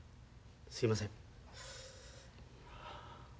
すいません。